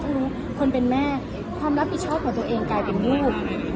รู้คนเป็นแม่ความรับผิดชอบของตัวเองกลายเป็นลูก